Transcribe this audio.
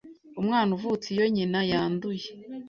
umwana uvutse iyo nyina yanduye,